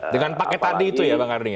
dengan pakai tadi itu ya bang karding